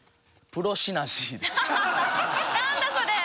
プロシナジーです。